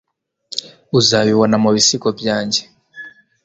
uzabibona mubisigo byanjye